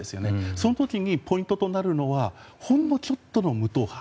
その時にポイントになるのがほんのちょっとの無党派。